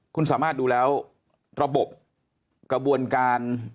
คุณสามารถดูแล้วระบบกระบวนการ